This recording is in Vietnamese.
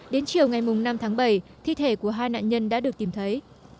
đến chiều ngày năm tháng bảy thi thể của hai nạn nhân đã được tìm thấy